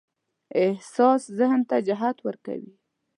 احساس ذهن ته جهت ورکوي.